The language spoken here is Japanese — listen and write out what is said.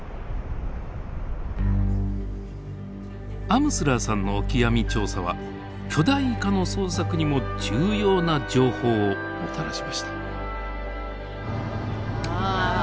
アムスラーさんのオキアミ調査は巨大イカの捜索にも重要な情報をもたらしました。